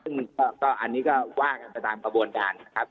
ซึ่งมันก็อันนี้ก็ว่ากันไปตามกระบวนการนะครับ